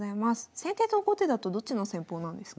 先手と後手だとどっちの戦法なんですか？